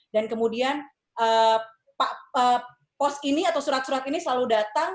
dan kemudian pak pos ini atau surat surat ini selalu datang